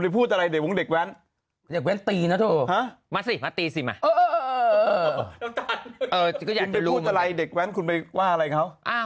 พูดอะไรเด็กแว้นคุณไปว่าอะไรเขา